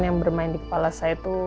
yang bermain di kepala saya itu